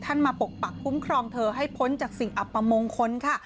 มาปกปักคุ้มครองเธอให้พ้นจากสิ่งอัปมงคลค่ะ